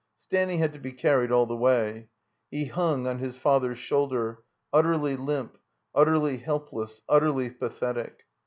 Stanny had to be carried all the way. He hung on his father's shoulder, utterly limp, utterly help less, utterly pathetic.